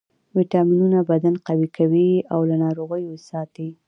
ویټامینونه بدن قوي کوي او له ناروغیو یې ساتي